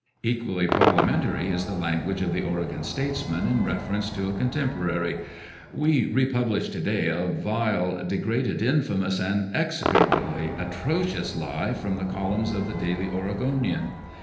Equally parliamentary is the language of the Oregon Statesman in reference to a con temporary :" We republish to day a vile, de graded, infamous, and execrably atrocious lie from the columns of the Daily Oregonian.